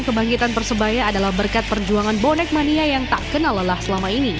kebangkitan persebaya adalah berkat perjuangan bonek mania yang tak kenal lelah selama ini